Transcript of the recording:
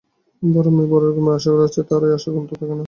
যে মেয়ের বড়ো রকমের আশা আছে তারই আশার অন্ত থাকে না।